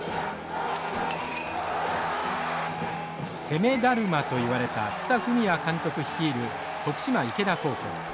攻めだるまといわれた蔦文也監督率いる徳島池田高校。